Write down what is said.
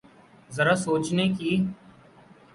ذرا سوچنے کی۔